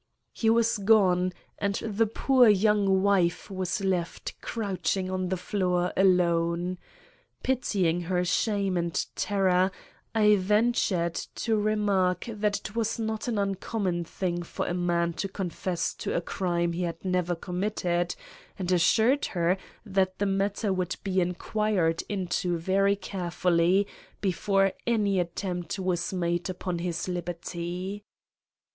He was gone, and the poor young wife was left crouching on the floor alone. Pitying her shame and terror, I ventured to remark that it was not an uncommon thing for a man to confess to a crime he had never committed, and assured her that the matter would be inquired into very carefully before any attempt was made upon his liberty.